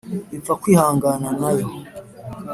ipfa kwihangana na yo